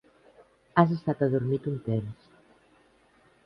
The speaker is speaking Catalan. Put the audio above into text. "Has estat adormit un temps".